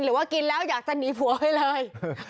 หรือว่ากินแล้วอยากจะหนีผัวไปเลย